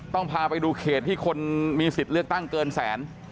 พาไปดูเขตที่คนมีสิทธิ์เลือกตั้งเกินแสน